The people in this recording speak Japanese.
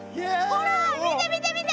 ほら見て見て見て！